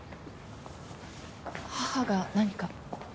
義母が何か？